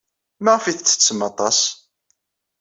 Maɣef ay tettettem aṭas?